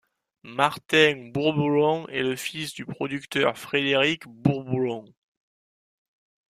Martin Bourboulon est le fils du producteur Frédéric Bourboulon.